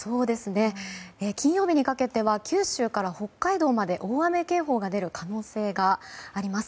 金曜日にかけては九州から北海道まで大雨警報が出る可能性があります。